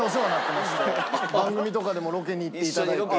番組とかでもロケに行っていただいたり。